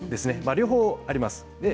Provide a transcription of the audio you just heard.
両方あります。